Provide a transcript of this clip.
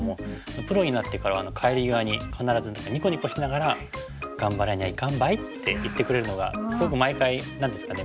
プロになってからは帰り際に必ずニコニコしながらって言ってくれるのがすごく毎回何ですかね